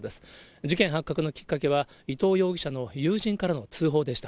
事件発覚のきっかけは、伊藤容疑者の友人からの通報でした。